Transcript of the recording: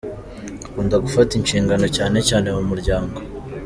Akunda gufata inshingano cyane cyane mu muryango.